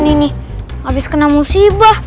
kejap kan boksi